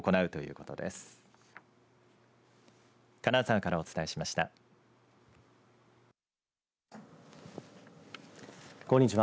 こんにちは。